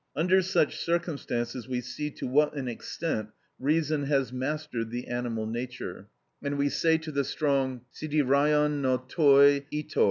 Under such circumstances we see to what an extent reason has mastered the animal nature, and we say to the strong: σιδηρειον νυ τοι ἡτορ!